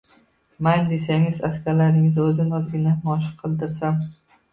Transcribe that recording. – Mayli desangiz, askarlaringizni o‘zim ozgina mashq qildirsam